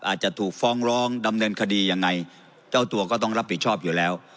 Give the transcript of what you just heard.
อาจจะถูกฟ้องร้องดำเนินคดียังไงเจ้าตัวก็ต้องรับผิดชอบอยู่แล้ว